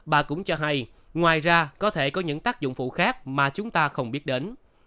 bà cũng cho hay ngoài ra có thể có những tác dụng phụ khác mà chúng ta không biết đến